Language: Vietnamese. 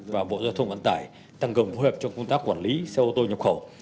và bộ giao thông văn tải tăng gồm phù hợp cho công tác quản lý xe ô tô nhập khẩu